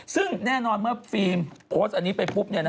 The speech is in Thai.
ซึ่งแน่นอนเมื่อฟิล์มโพสต์อันนี้ไปปุ๊บ